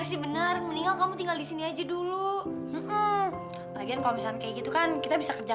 sampai jumpa di video selanjutnya